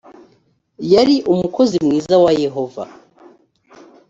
yari umukozi mwiza wa yehova